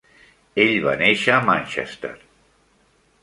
Ell va néixer a Manchester.